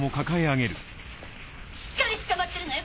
しっかりつかまってるのよ